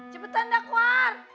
cepetan dah keluar